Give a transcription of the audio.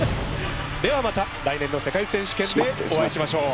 ではまた来年の世界選手権でお会いしましょう。